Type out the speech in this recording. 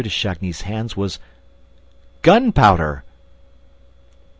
de Chagny's hands ... was gun powder!